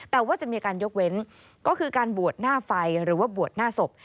แต่ว่าจะมีการยกเว้นก็คือการบวชหน้าไฟหรือว่าบวชหน้าศพ